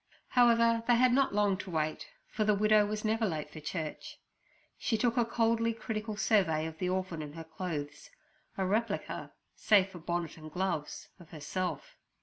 However, they had not long to wait, for the widow was never late for church. She took a coldly critical survey of the orphan and her clothes—a replica, save for bonnet and gloves, of herself.